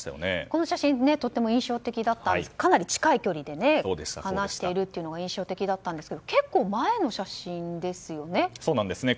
この写真とっても印象的だったんですけどかなり近い距離で話しているというのが印象的だったんですが結構、前の写真ですよね？